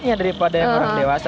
ya daripada yang orang dewasa